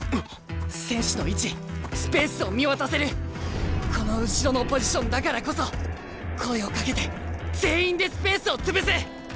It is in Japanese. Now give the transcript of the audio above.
選手の位置スペースを見渡せるこの後ろのポジションだからこそ声をかけて全員でスペースを潰す！